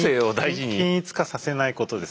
均一化させないことです。